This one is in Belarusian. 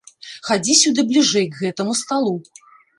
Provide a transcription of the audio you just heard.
Хадзі сюды бліжэй к гэтаму сталу.